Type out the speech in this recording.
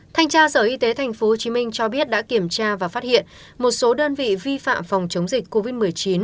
thanh tra sở y tế tp hcm cho biết đã kiểm tra và phát hiện một số đơn vị vi phạm phòng chống dịch covid một mươi chín